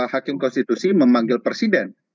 hakim konstitusi memanggil presiden